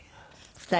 ２人。